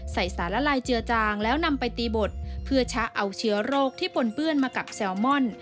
สารละลายเจือจางแล้วนำไปตีบดเพื่อชะเอาเชื้อโรคที่ปนเปื้อนมากับแซลมอน